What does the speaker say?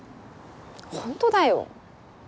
本当だよ！